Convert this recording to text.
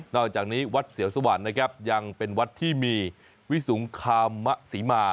อกจากนี้วัดเสียวสวรรค์นะครับยังเป็นวัดที่มีวิสุงคามศรีมา